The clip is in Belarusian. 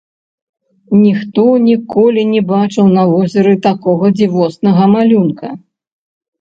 Ніхто ніколі не бачыў на возеры такога дзівоснага малюнка.